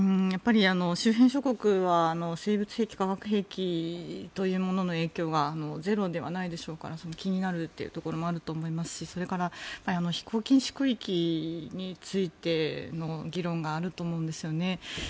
やっぱり周辺諸国は生物・化学兵器というものの影響がゼロではないでしょうから気になるというところもあるでしょうしそれから飛行禁止空域についての議論があると思うんです。